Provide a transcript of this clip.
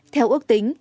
theo ước tính